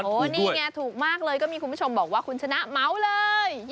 นี่ไงถูกมากเลยก็มีคุณผู้ชมบอกว่าคุณชนะเหมาเลย